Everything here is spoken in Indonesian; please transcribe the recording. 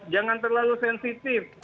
jangan terlalu sensitif